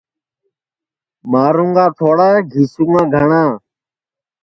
مارُوں گا تھوڑا گِیسُوں گا گھٹؔا